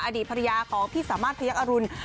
อดีตภรรยาของพี่สามารถพยักอรุณ